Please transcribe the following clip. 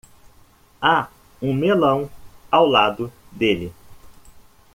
Há um melão ao lado dele.